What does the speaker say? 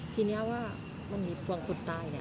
ทีนี้ว่ามันมีปวงคนตาย